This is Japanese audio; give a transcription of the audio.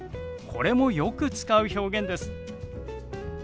これもよく使う表現です。